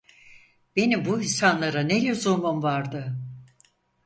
Benim bu insanlara ne lüzumum vardı?